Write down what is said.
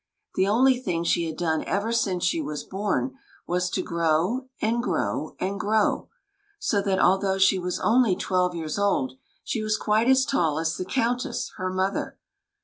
The only thing she had done ever since she was born was to grow and grow and grow, so that, although she was only twelve years old, she was quite as tall as the Countess, her mother.